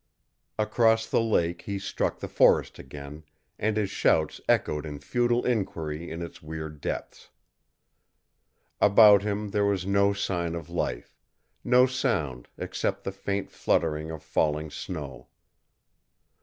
Across the lake he struck the forest again, and his shouts echoed in futile inquiry in its weird depths. About him there was no sign of life, no sound except the faint fluttering of falling snow.